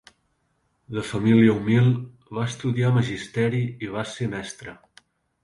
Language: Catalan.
De família humil, va estudiar magisteri i va ser mestre.